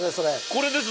これです